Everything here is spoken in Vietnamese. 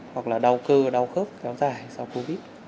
hoặc là đau cơ đau khớp kéo dài sau covid một mươi chín